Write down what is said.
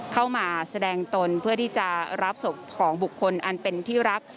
เข้ามาแสดงตนเพื่อที่จะรับศพของบุคคลอันเป็นที่รัก